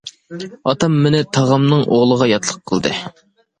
ئاتام مېنى تاغامنىڭ ئوغلىغا ياتلىق قىلدى.